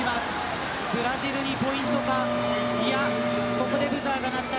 ここでブザーが鳴った。